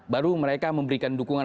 baru mereka memberikan dukungan